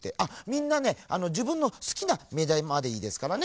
みんなねじぶんのすきなめだまでいいですからね。